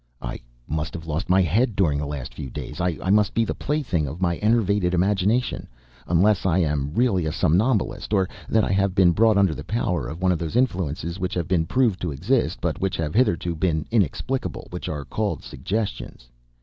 I must have lost my head during the last few days! I must be the plaything of my enervated imagination, unless I am really a somnambulist, or that I have been brought under the power of one of those influences which have been proved to exist, but which have hitherto been inexplicable, which are called suggestions.